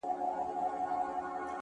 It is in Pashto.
له پاڼې ـ پاڼې اوستا سره خبرې وکړه”